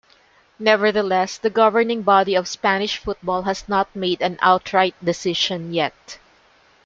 Nevertheless, the governing body of Spanish football has not made an outright decision yet.